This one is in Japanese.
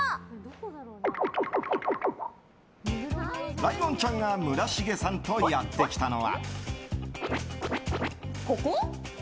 ライオンちゃんが村重さんとやってきたのは。